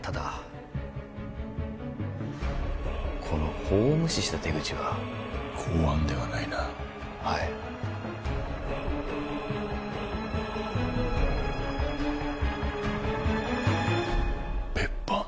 ただこの法を無視した手口は公安ではないなはい別班？